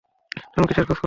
তুমি কিসের খোঁজ করছো?